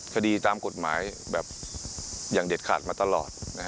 คดีตามกฎหมายแบบอย่างเด็ดขาดมาตลอด